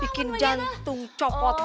bikin jantung copot